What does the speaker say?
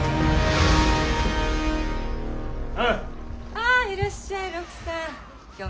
ああいらっしゃい六さん。